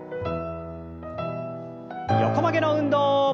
横曲げの運動。